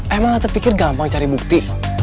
emang latar pikir gampang cari bukti